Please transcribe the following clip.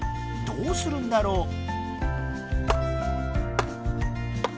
どうするんだろう？